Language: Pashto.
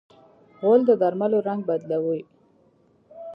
غول د درملو رنګ بدلوي.